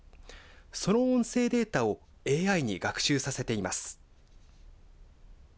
その音声データをＡＩに学習させています。